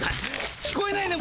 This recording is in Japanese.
聞こえないのか？